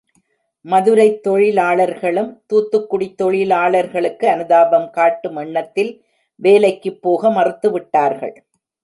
மதுரைத் தொழிலாளர்களும் தூத்துக்குடித் தொழிலாளர்களுக்கு அனுதாபம் காட்டும் எண்ணத்தில் வேலைக்குப் போக மறுத்துவிட்டார்கள்.